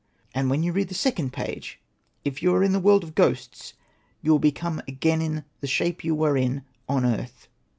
And when you read the second page, if you are in the world of ghosts, you will become again in the shape you were in on earth.